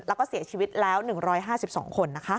แล้วก็เสียชีวิตแล้ว๑๕๒คน